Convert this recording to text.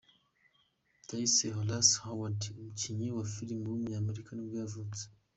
Bryce Dallas Howard, umukinnyikazi wa filime w’umunyamerika nibwo yavutse.